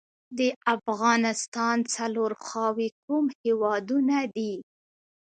د افغانستان څلور خواوې کوم هیوادونه دي؟